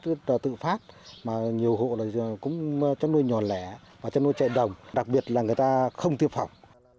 nguyên nhân của các hộ chất nuôi bắn chất tự phát mà nhiều hộ là chất nuôi nhỏ lẻ và chất nuôi chạy đồng đặc biệt là người ta không tiêu phòng